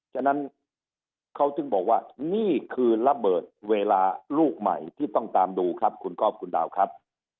ฉะนั้นเขาถึงบอกว่านี่คือระเบิดเวลาลูกใหม่ที่ต้องตามดูครับคุณก๊อฟคุณดาวครับ